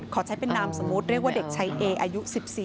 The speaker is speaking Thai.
ขอใช้เป็นนามสมมุติเรียกว่าเด็กชายเออายุ๑๔